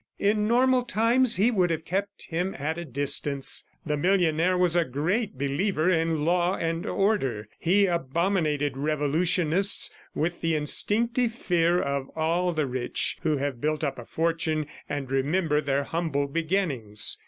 In normal times, he would have kept him at a distance. The millionaire was a great believer in law and order. He abominated revolutionists, with the instinctive fear of all the rich who have built up a fortune and remember their humble beginnings.